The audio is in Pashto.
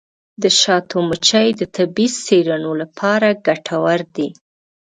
د شاتو مچۍ د طبي څیړنو لپاره ګټورې دي.